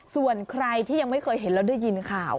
ส่วนใครที่ยังไม่เคยเห็นแล้วได้ยินข่าว